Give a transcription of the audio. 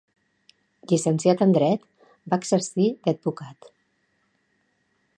Llicenciat en Dret, va exercir d'advocat.